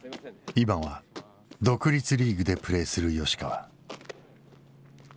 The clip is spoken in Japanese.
今は独立リーグでプレーする吉川。